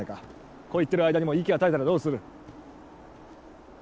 こう言ってる間にも息が絶えたらどうする。